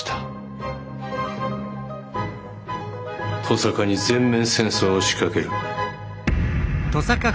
登坂に全面戦争を仕掛ける。